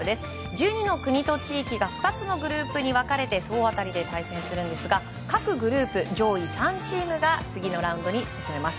１２の国と地域が２つのグループに分かれて総当たりで対戦するんですが各グループ上位３チームが次のラウンドに進めます。